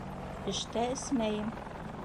Эштә эсмәйем!